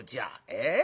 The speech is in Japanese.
ええ？